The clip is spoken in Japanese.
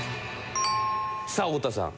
さあ太田さん。